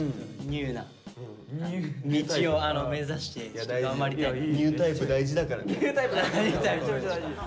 ニュータイプ大事だからね。